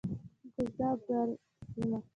کوزه او بره سیمه،